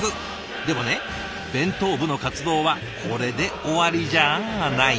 でもね弁当部の活動はこれで終わりじゃないんです。